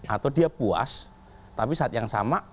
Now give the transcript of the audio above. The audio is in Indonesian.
atau dia puas tapi saat yang sama